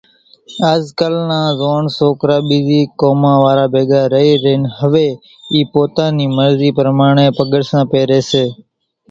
آز ڪالِ نا زوئاڻ سوڪرا ٻيزِي قوم واران ڀيڳا رئِي رئينَ هويَ اِي پوتا نِي مرضِي پرماڻيَ پڳرسان پيريَ سي۔